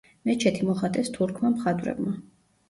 მეჩეთი მოხატეს თურქმა მხატვრებმა.